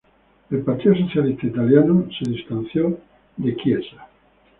El Partido Socialista Italiano se distanció de Chiesa.